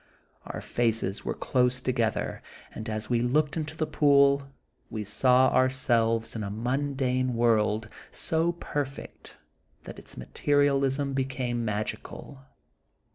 Our faces were close together, and as we looked into the pool, we saw ourselves in a mundane world, so perfect that its material ism became magical.